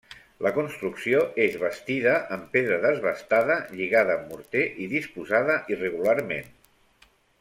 La construcció és bastida amb pedra desbastada lligada amb morter i disposada irregularment.